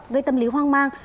gây tâm lý hoang mang